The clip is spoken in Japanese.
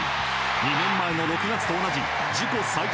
２年前の６月と同じ自己最多